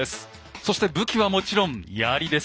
そして武器はもちろん槍です。